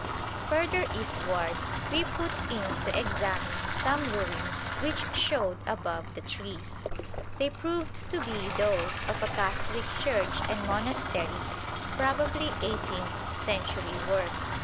Further eastward we put in to examine some ruins which showed above the trees. They proved to be those of a Catholic church and monastery, probably eighteenth century work.